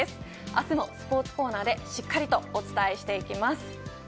明日もスポーツコーナーでしっかりとお伝えしていきます。